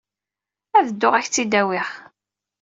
Ad dduɣ ad ak-tt-id-awiɣ.